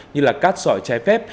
như là cát sỏi trái phép